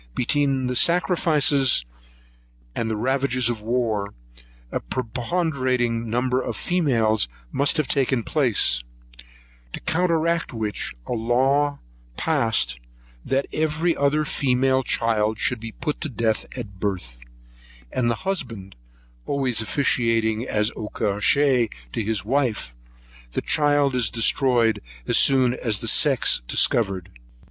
Between the sacrifices and the ravages of war, a preponderating number of females must have taken place; to counteract which, a law passed, that every other female child should be put to death at birth; and the husband always officiating as acoucheur to his wife, the child is destroyed as soon as the sex is discovered.